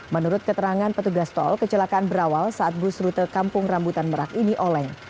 menurut keterangan petugas tol kecelakaan berawal saat bus rute kampung rambutan merak ini oleng